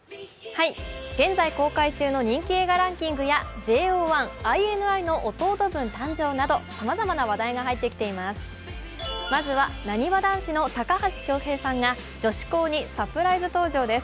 現在公開中の人気映画ランキングやＪＯ１、ＩＮＩの弟分誕生などさまざまな話題が入ってきています。